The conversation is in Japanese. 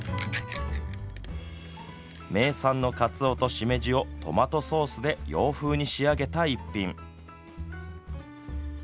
名産のかつおとしめじをトマトソースで洋風に仕上げた逸品。